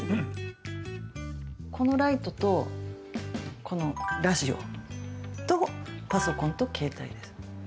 このライトとこのラジオとパソコンと携帯です。